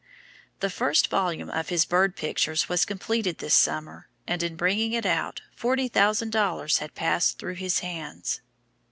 The first volume of his bird pictures was completed this summer, and, in bringing it out, forty thousand dollars had passed through his hands.